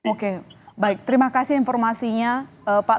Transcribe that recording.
oke baik terima kasih informasinya pak